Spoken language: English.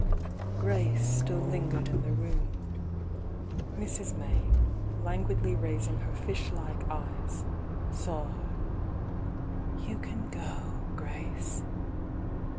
Grace still lingered in the room. Mrs. May, languidly raising her fish like eyes, saw her. "You can go, Grace."